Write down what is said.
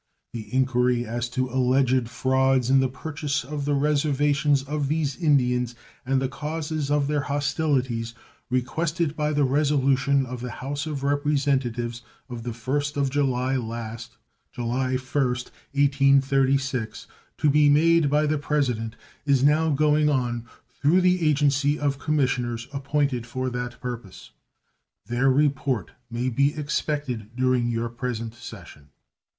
The inquiry as to alleged frauds in the purchase of the reservations of these Indians and the causes of their hostilities, requested by the resolution of the House of Representatives of the first of July last July 1st, 1836 to be made by the President, is now going on through the agency of commissioners appointed for that purpose. Their report may be expected during your present session.